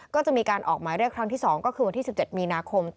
ก็จะมีการออกหมายเรียกครั้งที่๒ก็คือวันที่๑๗มีนาคม